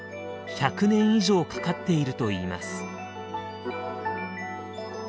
１００年以上かかっているといいます。